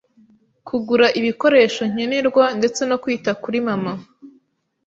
kugura ibikoresho nkenerwa ndetse no kwita kuri mama